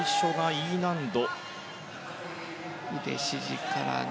Ｅ難度。